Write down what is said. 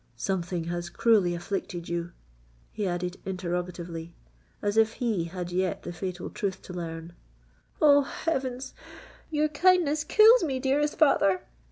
"Something has cruelly afflicted you?" he added interrogatively—as if he had yet the fatal truth to learn! "Oh! heavens—your kindness kills me, dearest father!"